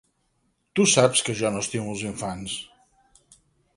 Tu saps que jo no estimo els infants.